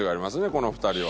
この２人は。